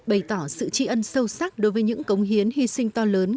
bày tỏ sự tri ân sâu sắc đối với những cống hiến hy sinh to lớn